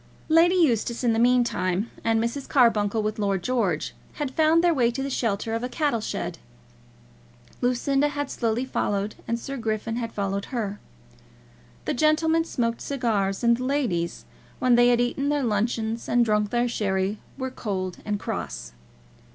Lady Eustace, in the meantime, and Mrs. Carbuncle, with Lord George, had found their way to the shelter of a cattle shed. Lucinda had slowly followed, and Sir Griffin had followed her. The gentlemen smoked cigars, and the ladies, when they had eaten their luncheons and drank their sherry, were cold and cross.